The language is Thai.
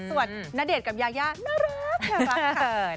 ส่วนนาเดชกับยายาน่ารัก